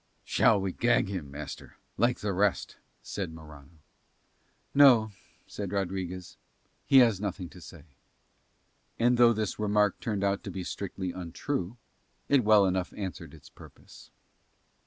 "Shall we gag him, master, like the rest?" said Morano. "No," said Rodriguez. "He has nothing to say." And though this remark turned out to be strictly untrue, it well enough answered its purpose.